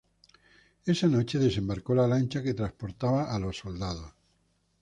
Esa noche desembarcó la lancha que transportaba a los soldados.